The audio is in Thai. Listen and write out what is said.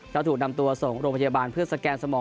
แล้วถูกนำตัวส่งโรงพยาบาลเพื่อสแกนสมอง